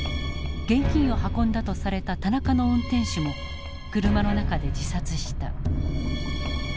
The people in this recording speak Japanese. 現金を運んだとされた田中の運転手も車の中で自殺した。